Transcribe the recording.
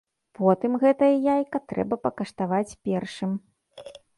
Потым гэтае яйка трэба пакаштаваць першым.